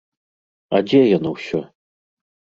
А дзе яно ўсё?